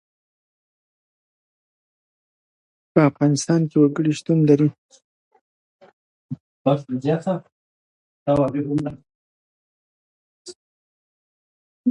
په افغانستان کې وګړي شتون لري.